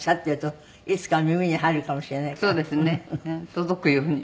届くように。